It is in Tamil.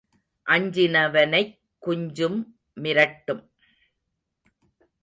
அஞ்சினவனைக் குஞ்சும் மிரட்டும்.